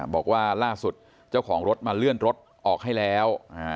บอกว่าล่าสุดเจ้าของรถมาเลื่อนรถออกให้แล้ว